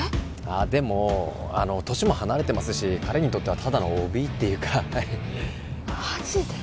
ああでも年も離れてますし彼にとってはただのＯＢっていうかマジで？